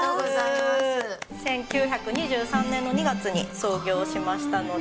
１９２３年の２月に創業しましたので。